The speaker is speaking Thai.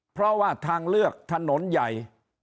เพราะว่าทางเลือกถนนใหญ่